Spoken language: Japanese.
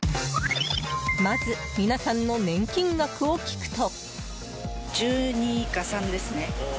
まず、皆さんの年金額を聞くと。